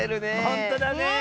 ほんとだね。